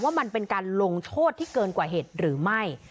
มันเป็นการลงโทษที่เกินกว่าเหตุหรือไม่